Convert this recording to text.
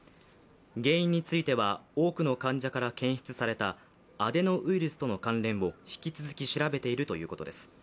原因については、多くの患者から検出されたアデノウイルスとの関連を引き続き調べているということです。